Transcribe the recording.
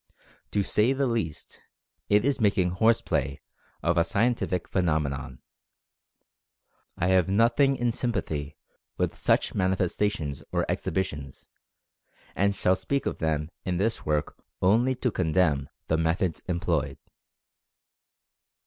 To say the least, it is making "horse play" of a scientific phenomenon. I have nothing in sympathy with such manifestations or exhibitions, and Experimental Fascination 89 shall speak of them in this work only to condemn the methods employed.